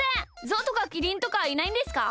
ゾウとかキリンとかいないんですか？